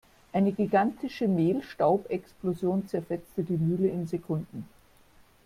Eine gigantische Mehlstaubexplosion zerfetzte die Mühle in Sekunden.